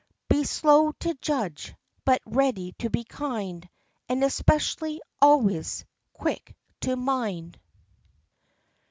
Be slow to judge, but ready to be kind; And, especially, always quick to mind."